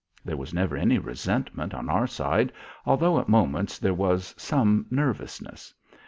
There was never any resentment on our side, although at moments there was some nervousness.